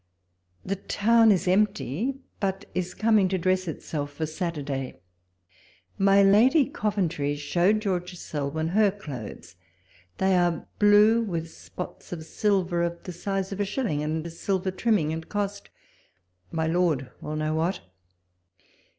The town is empty, but is coming to dress itself for Saturday. My Lady Coventry showed George Selwyn her clothes ; they are blue, with spots of silver, of the size of a shilling, and a silver trimming, and cost — my lord will know what.